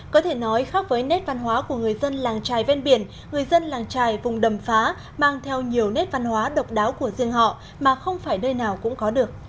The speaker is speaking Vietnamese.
có thể nói khác với nét văn hóa của người dân làng trài ven biển người dân làng trài vùng đầm phá mang theo nhiều nét văn hóa độc đáo của riêng họ mà không phải nơi nào cũng có được